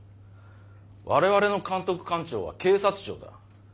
われわれの監督官庁は警察庁だ。